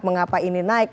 mengapa ini naik